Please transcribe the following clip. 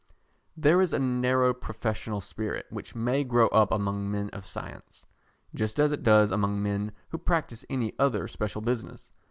There is a narrow professional spirit which may grow up among men of science, just as it does among men who practise any other special business.